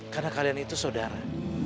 karena kalian itu saudara